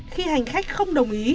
khi hành khách không đồng ý